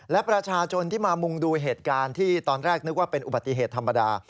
และประชาชนที่มามุงดูเหตุการณ์ที่ตอนแรกนึกว่าเป็นอุบัติเหตุธรรมดา